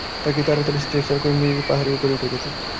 তাকে তাড়াতাড়ি স্ট্রেচারে করে নিয়ে পাহাড়ের উপরে উঠে যেতে।